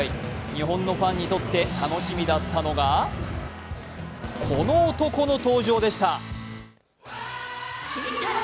日本のファンにとって楽しみだったのがこの男の登場でした。